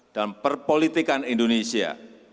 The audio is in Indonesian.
dalam perpolitikan indonesia